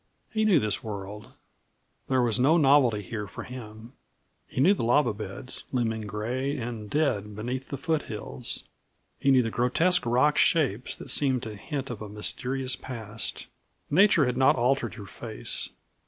He knew this world; there was no novelty here for him. He knew the lava beds, looming gray and dead beneath the foothills; he knew the grotesque rock shapes that seemed to hint of a mysterious past. Nature had not altered her face.